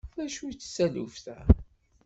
D acu-tt taluft-a?